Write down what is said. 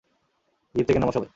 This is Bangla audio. জিপ থেকে নামো সবাই।